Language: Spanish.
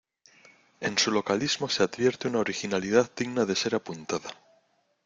En su localismo se advierte una originalidad digna de ser apuntada.